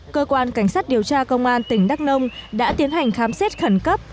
cơ quan cảnh sát điều tra công an tỉnh đắk nông đã tiến hành khám xét khẩn cấp